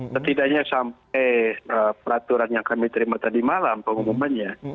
setidaknya sampai peraturan yang kami terima tadi malam pengumumannya